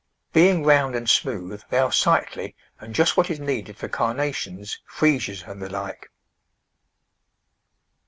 Being round and smooth they are sightly and just what is needed for Carnations, Freesias and the like.